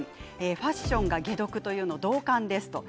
ファッションが解毒というのは同感です。